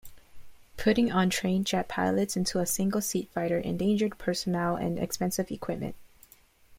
Putting untrained jet pilots into a single-seat fighter endangered personnel and expensive equipment.